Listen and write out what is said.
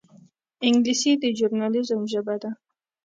انګلیسي د ژورنالېزم ژبه ده